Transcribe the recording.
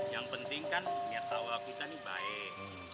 yang penting kan niat allah kita nih baik